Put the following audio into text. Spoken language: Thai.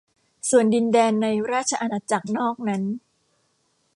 ส่วนดินแดนในราชอาณาจักรนอกนั้น